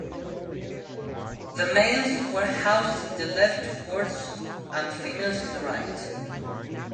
The males were housed in the left wards and females in the right.